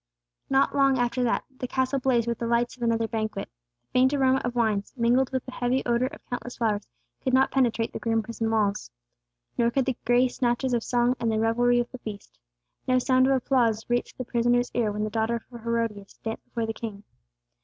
Not long after that, the castle blazed with the lights of another banquet. The faint aroma of wines, mingled with the heavy odor of countless flowers, could not penetrate the grim prison walls. Nor could the gay snatches of song and the revelry of the feast. No sound of applause reached the prisoner's ear, when the daughter of Herodias danced before the king.